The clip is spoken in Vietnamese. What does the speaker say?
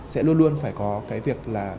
sẽ luôn luôn phải có cái việc là